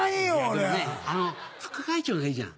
でもね副会長がいいじゃん。